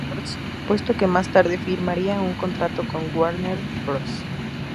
Records, puesto que más tarde firmaría un contrato con Warner Bros.